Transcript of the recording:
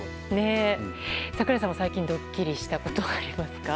櫻井さんは最近ドッキリしたことはありますか？